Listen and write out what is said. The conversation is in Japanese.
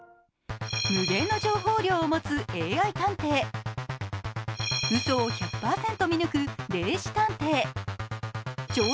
無限の情報量を持つＡＩ探偵、うそを１００％見抜く霊視